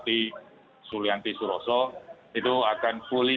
jadi untuk ringan tetap harus keseluruhan jadi untuk ringan tetap harus keseluruhan